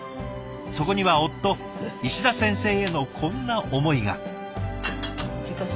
そこには夫石田先生へのこんな思いが。